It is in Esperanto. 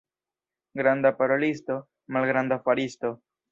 Granda parolisto, malgranda faristo.